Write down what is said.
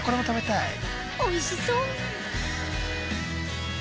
おいしそう。